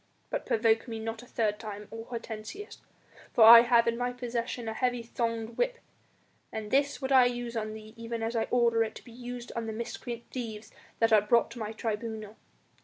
But provoke me not a third time, O Hortensius, for I have in my possession a heavy thonged whip, and this would I use on thee even as I order it to be used on the miscreant thieves that are brought to my tribunal.